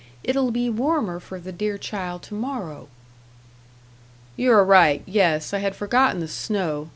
It'll be warmer for the dear child to morrow." "You are right. Yes, I had forgotten the snow.